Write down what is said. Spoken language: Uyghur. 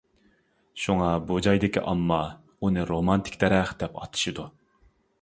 شۇڭا، بۇ جايدىكى ئامما ئۇنى «رومانتىك دەرەخ» دەپ ئاتىشىدۇ.